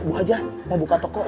mau buka toko